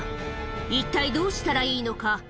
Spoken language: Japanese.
一体どうしたらいいのか。